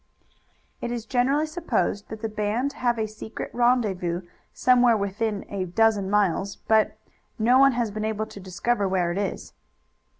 "It is generally supposed that the band have a secret rendezvous somewhere within a dozen miles, but no one has been able to discover where it is."